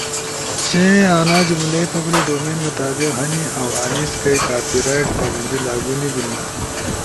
چی انا جملئی پبلک ڈومین مطابق ہنی اؤ انیس کئی کاپی رائٹس پابندی لاگو نی بیلنا۔